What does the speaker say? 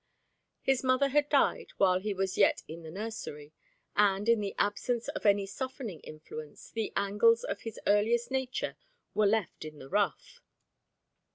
His mother had died while he was yet in the nursery, and, in the absence of any softening influence, the angles of his earliest nature were left in the rough.